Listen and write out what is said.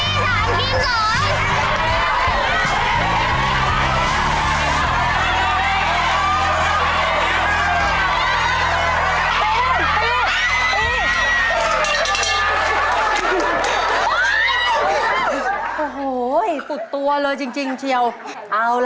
นี่เห็นอย่างนี้ไหม